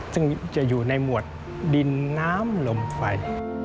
ซึ่งจะอยู่ในหมวดดินน้ำลมไฟ